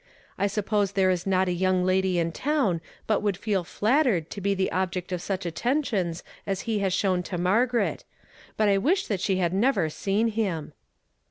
I suppose there is not a young lady in town but would feel flattered to be the object of such atten tions as he has shown to Margaret; but I wish that she had never seen him."